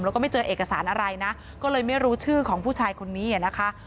แล้วก็ไม่เจอเอกสารอะไรนะก็เลยไม่รู้ชื่อของผู้ชายคนนี้นะคะ